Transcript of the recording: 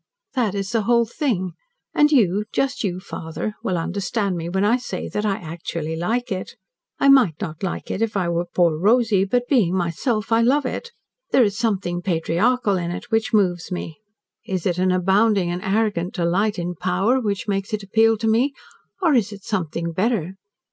That is the whole thing, and you just you, father will understand me when I say that I actually like it. I might not like it if I were poor Rosy, but, being myself, I love it. There is something patriarchal in it which moves me. "Is it an abounding and arrogant delight in power which makes it appeal to me, or is it something better?